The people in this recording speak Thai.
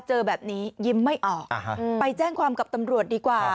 เจอแบบนี้ยิ้มไม่ออกไปแจ้งความกับตำรวจดีกว่า